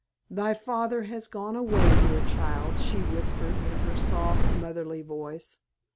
"Thy father has gone away, dear child," she whispered in her soft, motherly voice.